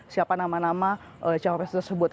siapa nama nama capak pres tersebut